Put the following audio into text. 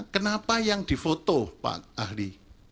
kenapa yang difoto pak ahli